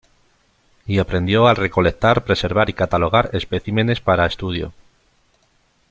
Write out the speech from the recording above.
Y aprendió a recolectar, preservar y catalogar especímenes para estudio.